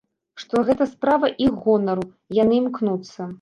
Што гэта справа іх гонару, яны імкнуцца!